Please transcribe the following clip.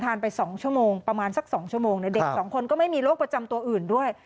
ไป๒ชั่วโมงประมาณสัก๒ชั่วโมงเด็ก๒คนก็ไม่มีโรคประจำตัวอื่นด้วย